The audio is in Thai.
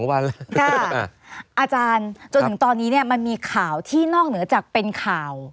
อาจารย์จนถึงตอนนี้เนี่ยมันมีข่าวที่นอกเหนือจากเป็นข่าว